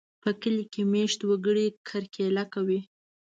په کلي کې مېشت وګړي کرکېله کوي.